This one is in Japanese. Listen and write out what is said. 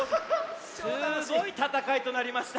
すごいたたかいとなりました。